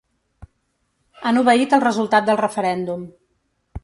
Han obeït el resultat del referèndum.